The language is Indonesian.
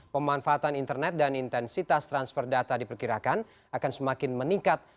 pemanfaatan internet dan intensitas transfer data diperkirakan akan semakin meningkat